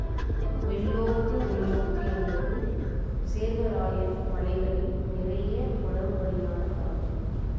வெள்ளோக்கு வெள்ளோக்கு என்பது சேர்வராயன் மலைகளில் நிறைய வளரும்படியான மரம்.